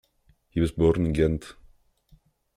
He was born in Ghent.